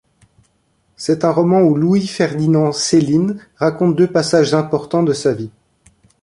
C'est un roman où Louis-Ferdinand Céline raconte deux passages importants de sa vie.